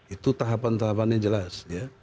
itu tahapan tahapannya jelas